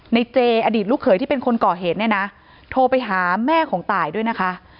เจอดีตลูกเขยที่เป็นคนก่อเหตุเนี่ยนะโทรไปหาแม่ของตายด้วยนะคะ